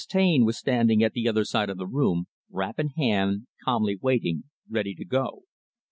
Taine was standing at the other side of the room, wrap in hand, calmly waiting, ready to go.